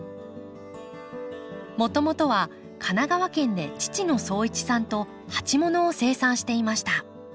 もともとは神奈川県で父の総一さんと鉢物を生産していました。